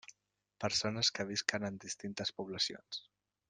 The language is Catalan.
Persones que visquen en distintes poblacions.